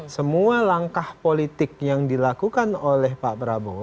semua langkah politik yang dilakukan oleh pak prabowo